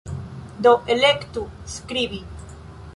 Do, elektu "skribi"